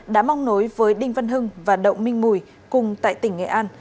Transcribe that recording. đã mong nối với đinh văn hưng và đậu minh mùi cùng tại tỉnh nghệ an